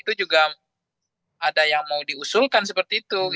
itu juga ada yang mau diusulkan seperti itu